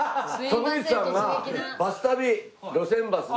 徳光さんが『バス旅』『路線バス』で。